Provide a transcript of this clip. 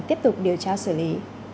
tiếp tục điều tra xử lý